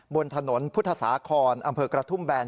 บนถนนพุทธศาคอนอำเภอกระทุ่มแบน